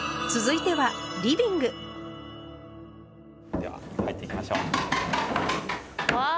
では入っていきましょう。